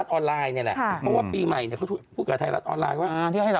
เพราะว่าปีใหม่เนี่ยเขาพูดกับไทยรัฐออนไลน์ว่า